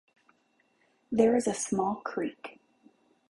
There is a small creek.